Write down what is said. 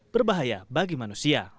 berbahaya bagi manusia